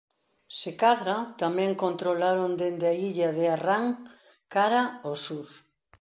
Se cadra tamén controlaron dende a illa de Arran cara ó sur.